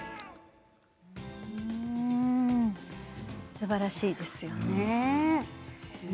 すばらしいですよね。